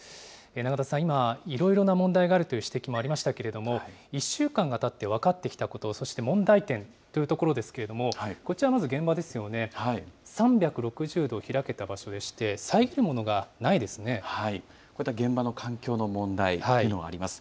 永田さん、今、いろいろな問題があるという指摘もありましたけれども、１週間がたって分かってきたこと、そして問題点というところですけれども、こちら、まず現場ですよね、３６０度開けた場所でして、こういった現場の環境の問題というのがあります。